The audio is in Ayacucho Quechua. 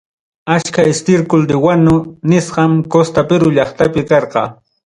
Achka estiércol de wana nisqam costa perú llaqtapi karqa.